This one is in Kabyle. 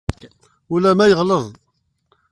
Ulamma yeɣleḍ.